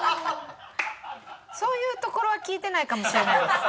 そういうところは聞いてないかもしれないです。